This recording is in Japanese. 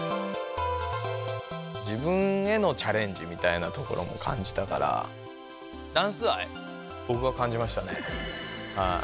自分へのチャレンジみたいなところも感じたからダンス愛ぼくは感じましたね。